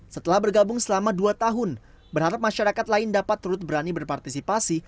setelah bergabung selama dua tahun berharap masyarakat lain dapat turut berani berpartisipasi